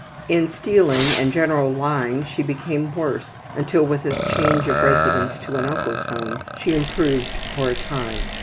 In stealing and general lying she became worse until with a change of residence to an uncle's home she improved for a time.